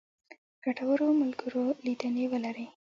ګټورو ملګرو لیدنې ولرئ.